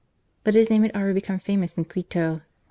^ But his name had already become famous in Quito.